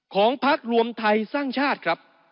พักรวมไทยสร้างชาติครับ